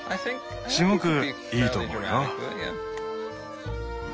すごくいいと思うよ。